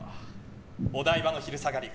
お台場の昼下がり